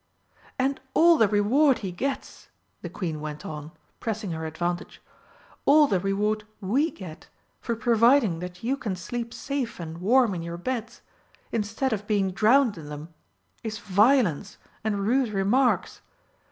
"And all the reward he gets," the Queen went on, pressing her advantage, "all the reward we get for providing that you can sleep safe and warm in your beds instead of being drowned in them is violence and rude remarks!